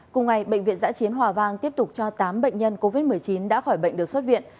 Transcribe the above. cùng ngày bệnh viện giã chiến hòa vang tiếp tục cho tám bệnh nhân covid một mươi chín đã khỏi bệnh được xuất viện